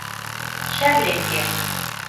Шӓрлен кеӓ